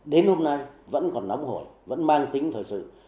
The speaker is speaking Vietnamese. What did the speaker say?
đến hôm nay vẫn còn nóng hổi vẫn mang tính thời sự